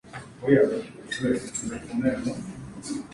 Dirigido por David Botello.